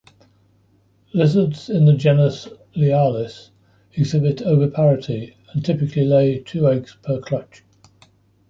Lizards in the genus "Lialis" exhibit oviparity and typically lay two eggs per clutch.